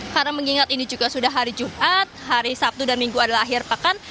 karena mengingat ini juga sudah hari jumat hari sabtu dan minggu adalah akhir pakan